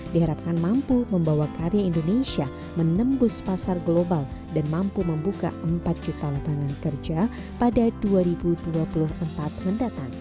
diharapkan mampu membawa karya indonesia menembus pasar global dan mampu membuka empat juta lapangan kerja pada dua ribu dua puluh empat mendatang